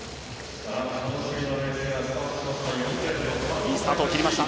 いいスタートを切りました